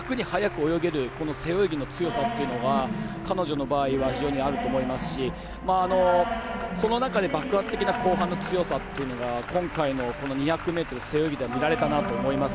楽に速く泳げる背泳ぎの強さというのは彼女の場合、あると思いますしその中で爆発的な後半の強さというのが今回の２００ｍ背泳ぎでは見られたなと思います。